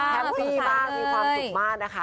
แฮปปี้บ้างมีความสุขมากนะคะ